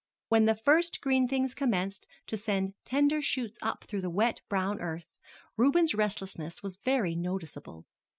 When the first green things commenced to send tender shoots up through the wet, brown earth, Reuben's restlessness was very noticeable.